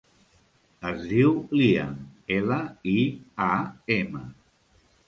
Es diu Liam: ela, i, a, ema.